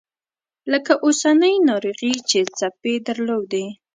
لکه اوسنۍ ناروغي چې څپې درلودې.